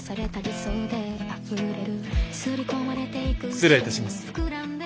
失礼いたします。